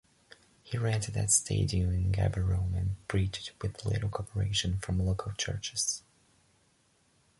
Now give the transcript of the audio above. He rented a stadium in Gaborone, and preached with little cooperation from local churches.